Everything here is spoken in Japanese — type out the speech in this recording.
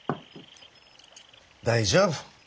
大丈夫。